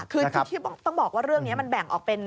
คือที่ต้องบอกว่าเรื่องนี้มันแบ่งออกเป็น